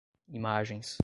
imagens